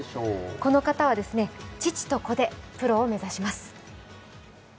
この方は父と子でプロを目指します。